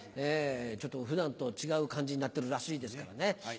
ちょっと普段と違う感じになってるらしいですからね。